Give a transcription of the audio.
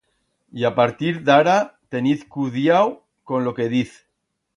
Y a partir d'ara teniz cudiau con lo que diz.